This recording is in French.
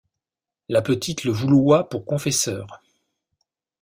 La petite le vouloyt pour confesseur.